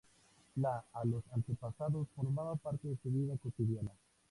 La a los antepasados formaba parte de su vida cotidiana.